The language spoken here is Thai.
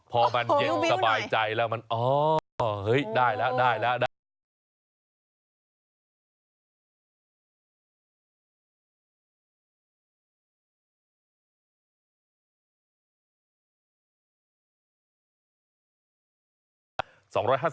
พอมันเย็นสบายใจแล้วมันอ๋อได้แล้วได้แล้ว